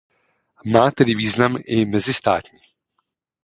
Má tedy význam i mezistátní.